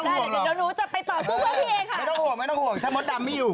มดดำไม่ต้องห่วงหรอกไม่ต้องห่วงถ้ามดดำไม่อยู่